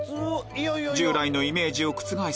従来のイメージを覆す